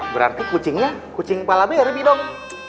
berarti kucingnya kucing pala beri dong